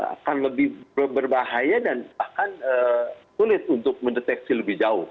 akan lebih berbahaya dan bahkan sulit untuk mendeteksi lebih jauh